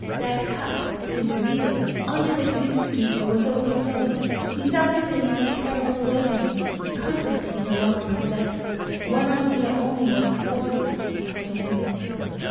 That cup, his reason, under this new stupor, was overflowing. He felt within him a terrible awakening. Compass he no longer possessed. One idea only was before him the woman.